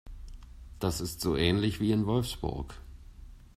Das ist so ähnlich wie in Wolfsburg